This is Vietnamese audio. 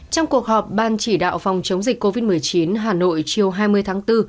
trong cuộc họp ban chỉ đạo phòng chống dịch covid một mươi chín hà nội chiều hai mươi tháng bốn